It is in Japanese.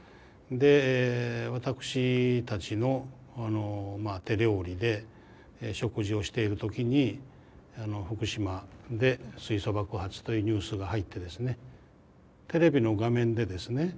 で私たちの手料理で食事をしている時に福島で水素爆発というニュースが入ってですねテレビの画面でですね